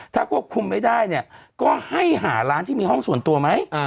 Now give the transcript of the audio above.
ถ้าควบคุมไม่ได้เนี่ยก็ให้หาร้านที่มีห้องส่วนตัวไหม